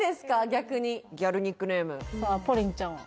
逆にギャルニックネームさあＰＯＲＩＮちゃんは？